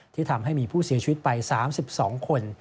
ทำให้มีผู้เสียชีวิตไป๓๒คน